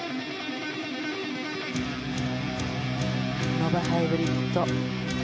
ノバハイブリッド。